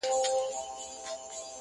ستا پر تور تندي لیکلي کرښي وايي!